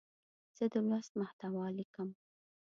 زه د لوست محتوا لیکم.